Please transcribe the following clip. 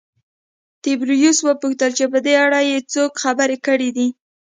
تبریوس وپوښتل چې په دې اړه یې څوک خبر کړي دي